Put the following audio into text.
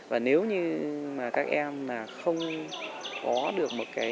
và nếu như mà các em mà không có được một cái